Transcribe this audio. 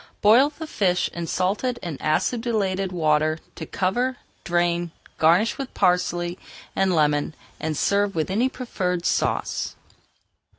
Boil the fish in salted and acidulated water to cover, drain, garnish with parsley and lemon, and serve with any preferred sauce.